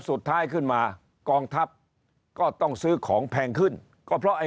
สุดท้ายขึ้นมากองทัพก็ต้องซื้อของแพงขึ้นก็เพราะไอ้